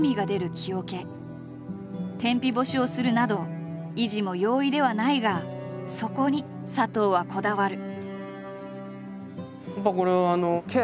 天日干しをするなど維持も容易ではないがそこに佐藤はこだわる。